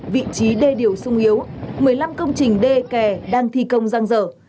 vị trí đê điều sung yếu một mươi năm công trình đê kè đang thi công răng dở